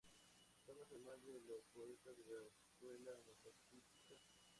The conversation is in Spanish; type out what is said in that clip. Thomas, además de los poetas de la escuela metafísica.